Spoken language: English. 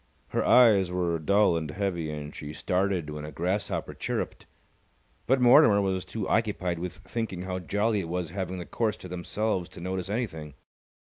Her eyes were dull and heavy, and she started when a grasshopper chirruped. But Mortimer was too occupied with thinking how jolly it was having the course to themselves to notice anything.